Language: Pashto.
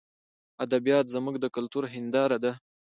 ادبیات زموږ د کلتور هنداره ده.